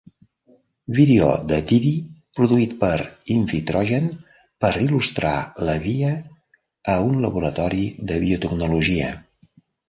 Vídeo de Diddy produït per Invitrogen per il·lustrar la via a un laboratori de biotecnologia.